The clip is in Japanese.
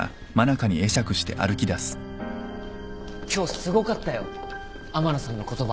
今日すごかったよ天野さんの言葉。